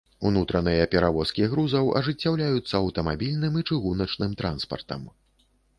Унутраныя перавозкі грузаў ажыццяўляюцца аўтамабільным і чыгуначным транспартам.